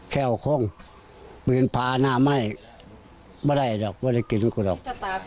แข่วคงมีผาหน้าไหม้ไม่ได้ดอกไม่ได้กินก็ดอก